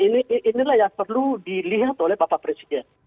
nah inilah yang perlu dilihat oleh bapak presiden